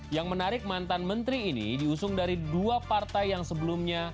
yang menarik mantan menteri ini diusung dari dua partai yang sebelumnya